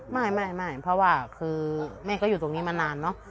ไม่เพราะว่าคือแม่ก็อยู่ตรงนี้มานานเนอะ